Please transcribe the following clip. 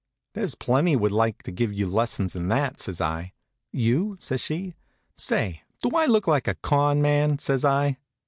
"There's plenty would like to give you lessons in that," says I. "You?" says she. "Say, do I look like a con. man?" says I.